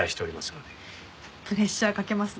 プレッシャーかけますね。